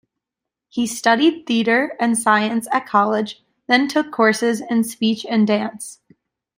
He studied theatre and science at college, then took courses in speech and dance.